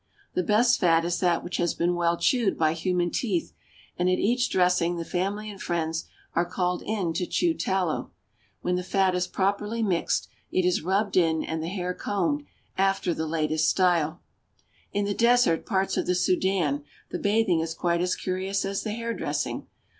The best fat is IBB^t j^___^HB|^^H| that which has been well "The mosi peculiar thing aboui the chewed by human teeth, Nubian ls his hair." ^nd at each dressing the family and friends are called in to chew tallow. When the fat is properly mixed, it is rubbed in and the hair combed after the latest style. In the desert parts of the Sudan the bathing is quite as curious as the hairdressing.